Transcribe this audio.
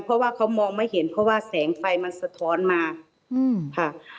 เพราะว่าเขามองไม่เห็นเพราะว่าแสงไฟมันสะท้อนมาค่ะ